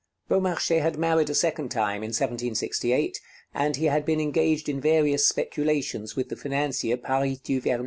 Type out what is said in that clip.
Beaumarchais had married a second time in 1768, and he had been engaged in various speculations with the financier Pâris Duverney.